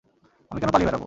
আমি কেন পালিয়ে বেড়াবো?